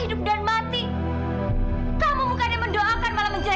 untuk niasa lain